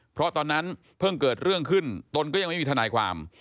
เพราะตอนนั้นเพิ่งเกิดเรื่องขึ้นตนก็ยังไม่มีทนายความ